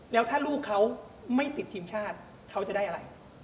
แล้วถ้าลูกเขาไม่ติดทีมชาติเขาจะได้อะไร